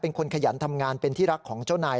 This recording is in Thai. เป็นคนขยันทำงานเป็นที่รักของเจ้านาย